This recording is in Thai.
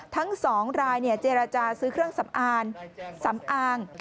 ทั้ง๒รายเจรจาซื้อเครื่องสำอางสำอาง